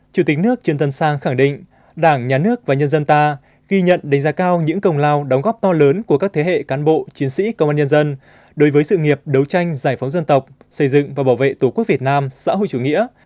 chủ tịch nước trương tân sang khẳng định đảng nhà nước và nhân dân ta ghi nhận đánh giá cao những công lao đóng góp to lớn của các thế hệ cán bộ chiến sĩ công an nhân dân đối với sự nghiệp đấu tranh giải phóng dân tộc xây dựng và bảo vệ tổ quốc việt nam xã hội chủ nghĩa